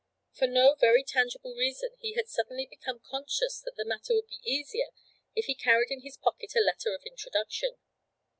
For no very tangible reason he had suddenly become conscious that the matter would be easier if he carried in his pocket a letter of introduction.